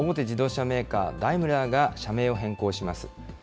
自動車メーカー、ダイムラーが社名を変更します。